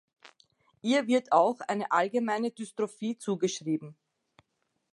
Ihr wird auch eine allgemeine Dystrophie zugeschrieben.